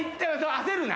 焦るな！